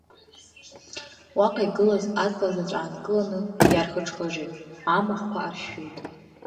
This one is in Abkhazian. Уаҟа игылаз аҵла заҵә аанкыланы иаархыџхыџит, амахәқәа аршәшәеит.